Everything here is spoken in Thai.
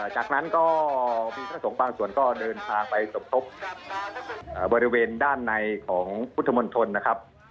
จากนั้นก็มีพระสงฆ์บางส่วนก็เดินทางไปสมทบบริเวณด้านในของพุทธมนตรนะครับ